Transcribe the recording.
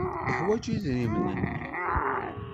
Yeḥwaj idrimen-nni.